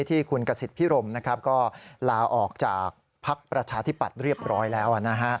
ที่คุณกษิตพิรมก็ลาออกจากภักดิ์ประชาธิปัตย์เรียบร้อยแล้ว